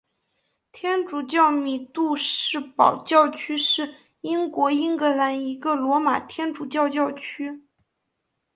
天主教米杜士堡教区是英国英格兰一个罗马天主教教区。